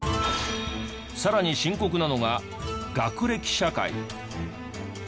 さらに深刻なのが学歴社会。